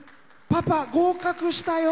パパ合格したよ。